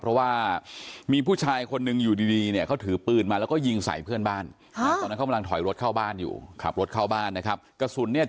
เพราะว่ามีผู้ชายคนหนึ่งอยู่ดีดีเนี่ยเขาถือปืนมาแล้วก็